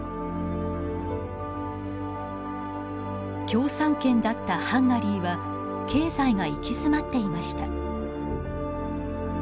共産圏だったハンガリーは経済が行き詰まっていました。